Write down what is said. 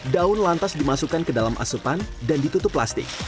daun lantas dimasukkan ke dalam asupan dan ditutup plastik